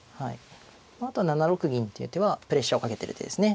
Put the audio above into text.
あとは７六銀っていう手はプレッシャーをかけてる手ですね。